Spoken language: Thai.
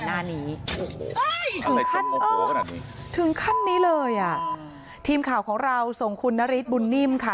หน้านี้เอ้ยถึงขั้นนี้เลยอ่ะทีมข่าวของเราส่งคุณนริตบุญนิมค่ะ